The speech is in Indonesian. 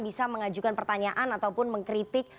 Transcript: bisa mengajukan pertanyaan ataupun mengkritik